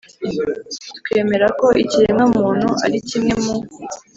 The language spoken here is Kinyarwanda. Twemera ko ikiremwa muntu ari kimwe mu